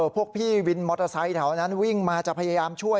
พวกพี่วินมอเตอร์ไซค์แถวนั้นวิ่งมาจะพยายามช่วย